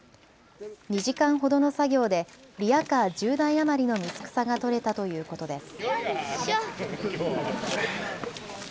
２時間ほどの作業でリヤカー１０台余りの水草が取れたということです。